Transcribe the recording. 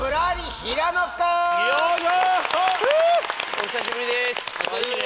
お久しぶりです！